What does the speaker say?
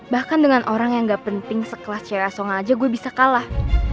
bahkan dengan orang yang gak penting sekelas cewek aja gue bisa kalah